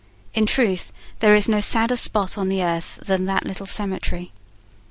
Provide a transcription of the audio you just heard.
In truth there is no sadder spot on the earth than that little cemetery.